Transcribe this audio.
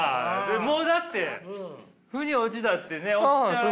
もうだってふに落ちたってねおっしゃられたから。